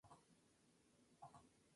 Forrest nació en Filadelfia, Pennsylvania.